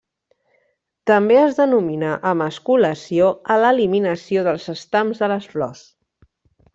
També es denomina emasculació a l'eliminació dels estams de les flors.